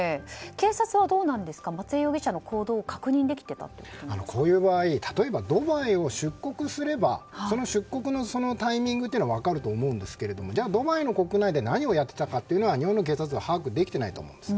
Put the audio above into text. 警察は、どうなんですか松江容疑者の行動をこういう場合例えば、ドバイを出国すればその出国のタイミングというのは分かると思いますがじゃあ、ドバイ国内で何をやっていたかは日本の警察は把握できてないと思うんです。